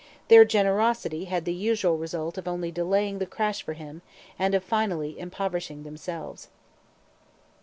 Their generosity had the usual result of only delaying the crash for him, and of finally impoverishing themselves.